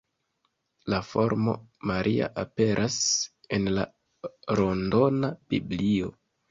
La formo Maria aperas en la Londona Biblio.